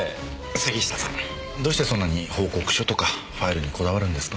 杉下さんどうしてそんなに報告書とかファイルにこだわるんですか？